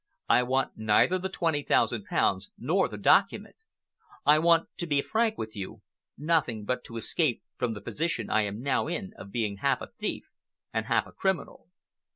I want neither the twenty thousand pounds nor the document. I want, to be frank with you, nothing but to escape from the position I am now in of being half a thief and half a criminal.